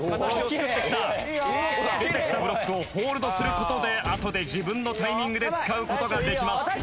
降ってきたブロックをＨＯＬＤする事であとで自分のタイミングで使う事ができます。